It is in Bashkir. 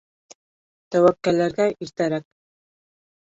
Тәүәкәлләргә иртәрәк.